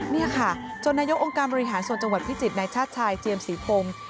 นี่ค่ะจนนายกองค์การบริหารส่วนจังหวัดพิจิตรในชาติชายเจียมศรีพงศ์